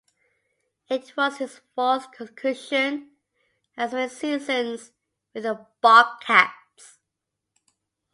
It was his fourth concussion in as many seasons with the Bobcats.